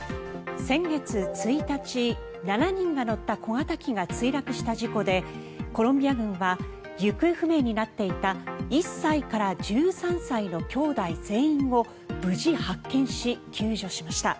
先月１日、７人が乗った小型機が墜落した事故でコロンビア軍は行方不明になっていた１歳から１３歳のきょうだい全員を無事発見し、救助しました。